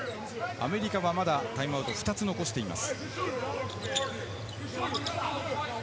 アメリカはまだタイムアウトを２つ残しています。